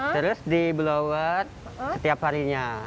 terus di blower setiap harinya